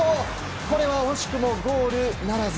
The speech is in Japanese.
これは惜しくもゴールならず。